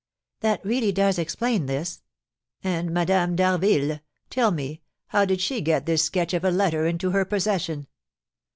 "That really does explain this." "And Madame d'Harville tell me, how did she get this sketch of a letter into her possession?"